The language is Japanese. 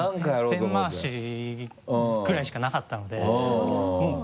ペン回しくらいしかなかったのでうん。